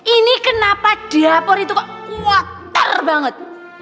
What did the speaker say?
ini kenapa dapur itu kuat banget